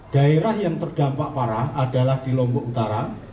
daerah yang terdampak parah adalah di lombok utara